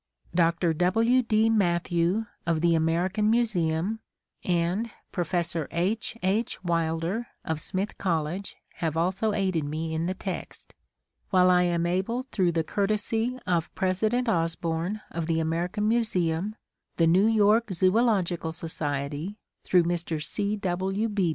Doctor W. D. Matthew of the American Museum, and Professor H. H. Wilder of Smith College have also aided me in the text, while I am able through the courtesy of President Osborn of the American Museum, the New York Zoological Society through Mr. C. W.